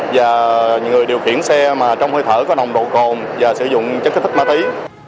và nhiều người điều khiển xe trong hơi thở có nồng độ cồn và sử dụng chất kích thích ma tí